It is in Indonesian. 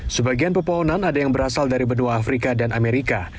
sebagian pepohonan ada yang berasal dari benua afrika dan amerika